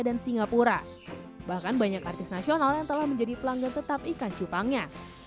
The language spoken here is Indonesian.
dan singapura bahkan banyak artis nasional yang telah menjadi pelanggan tetap ikan cupangnya